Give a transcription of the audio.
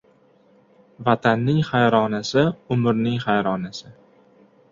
Vatanning vayronasi — Umrning hayronasi.